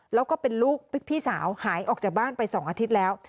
แล้วก็เป็นลูกพี่สาวหายออกจากบ้านไป๒อาทิตย์แล้ว